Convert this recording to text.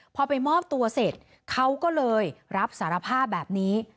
พอไปมอบตัวเสร็จเขาก็เลยรับสารภาพแบบนี้